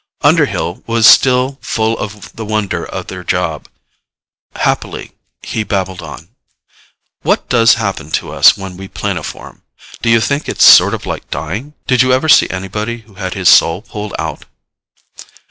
Underhill was still full of the wonder of their job. Happily he babbled on, "What does happen to us when we planoform? Do you think it's sort of like dying? Did you ever see anybody who had his soul pulled out?"